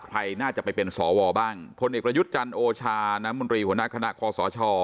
ใครน่าจะไปเป็นสวบ้างพลเอกประยุทธ์จันทร์โอชาน้ำมนตรีหัวหน้าคณะคอสช